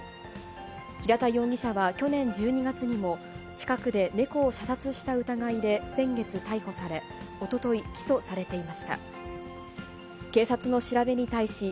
平田容疑者は去年１２月にも、近くで猫を射殺した疑いで先月逮捕され、おととい、起訴されていました。